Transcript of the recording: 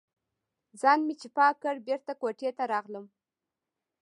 ځان مې چې پاک کړ، بېرته کوټې ته راغلم.